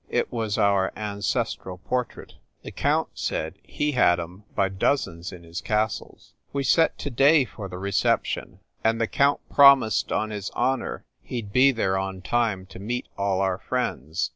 It was our ancestral portrait. The count said he had em by dozens in his castles We set to day for the reception, and the count promised on his honor he d be there on time to meet all our friends.